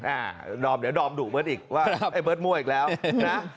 อ่าเดี๋ยวดอมดุเบิร์ดอีกว่าเบิร์ดมั่วอีกแล้วนะ